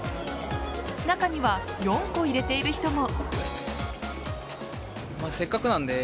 中には４個入れている人も。